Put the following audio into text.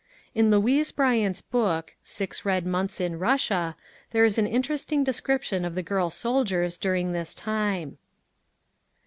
In Louise Bryant's book, "Six Red Months in Russia," there is an interesting description of the girl soldiers during this time.